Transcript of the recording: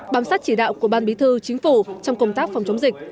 bám sát chỉ đạo của ban bí thư chính phủ trong công tác phòng chống dịch